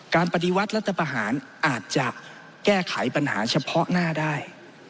ปฏิวัติรัฐประหารอาจจะแก้ไขปัญหาเฉพาะหน้าได้